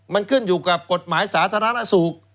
มันขึ้นอยู่กับกฎหมายสาธารณสุข